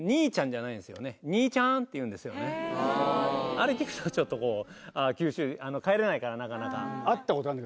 あれ聞くとちょっと九州に帰れないからなかなか。